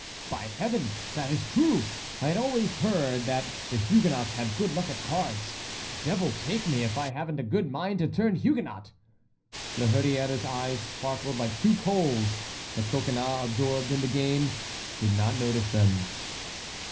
"By Heaven! that is true! I always heard that the Huguenots had good luck at cards. Devil take me if I haven't a good mind to turn Huguenot!" La Hurière's eyes sparkled like two coals; but Coconnas, absorbed in his game, did not notice them.